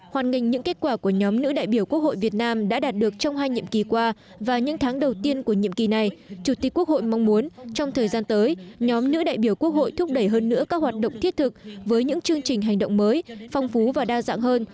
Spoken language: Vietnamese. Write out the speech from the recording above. hoàn ngành những kết quả của nhóm nữ đại biểu quốc hội việt nam đã đạt được trong hai nhiệm kỳ qua và những tháng đầu tiên của nhiệm kỳ này chủ tịch quốc hội mong muốn trong thời gian tới nhóm nữ đại biểu quốc hội thúc đẩy hơn nữa các hoạt động thiết thực với những chương trình hành động mới phong phú và đa dạng hơn